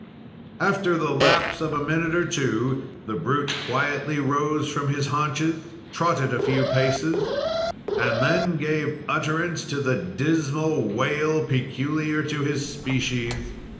After the lapse of a minute or two, the brute quietly rose from his haunches, trotted a few paces, and then gave utterance to the dismal wail peculiar to his species.